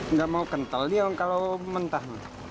nggak mau kental dia kalau mentah